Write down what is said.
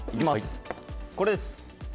これです。